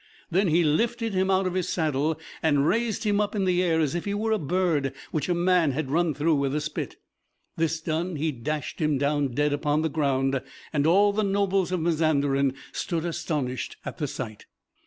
Then he lifted him out of his saddle, and raised him up in the air, as if he were a bird which a man had run through with a spit. This done, he dashed him down dead upon the ground, and all the nobles of Mazanderan stood astonished at the sight.